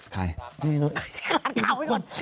ขาดข่าวให้ก่อน